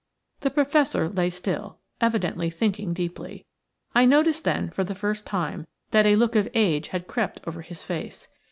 The Professor lay still, evidently thinking deeply. I noticed then, for the first time, that a look of age had crept over his face.